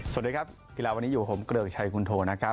สวัสดีครับกีฬาวันนี้อยู่ผมเกลือชายคุณโท